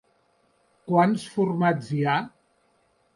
Quants formats hi ha?